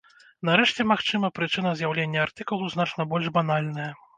Нарэшце, магчыма, прычына з'яўлення артыкулу значна больш банальная.